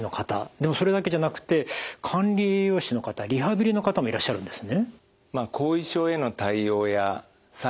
でもそれだけじゃなくて管理栄養士の方リハビリの方もいらっしゃるんですね。